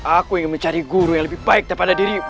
aku ingin mencari guru yang lebih baik daripada diriku